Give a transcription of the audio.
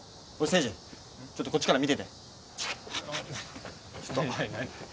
誠二ちょっとこっちから見てて何何何？